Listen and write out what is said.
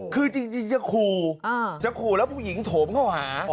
คือจริงจะขู่จะขู่แล้วผู้หญิงโถมเข้าหา